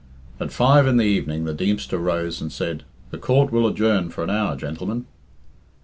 At five in the evening the Deemster rose and said, "The Court will adjourn for an hour, gentlemen."